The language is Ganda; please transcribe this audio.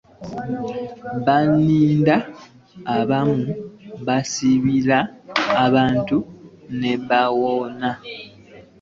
Banadini abamu basabira abantu nebawona.